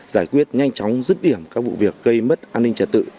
giải quyết nhanh chóng dứt điểm các vụ việc gây mất an ninh trật tự